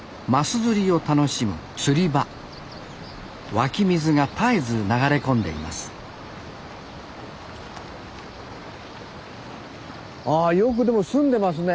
湧き水が絶えず流れ込んでいますあよくでも澄んでますね。